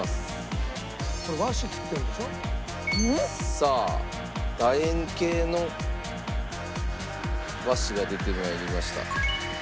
さあ楕円形の和紙が出てまいりました。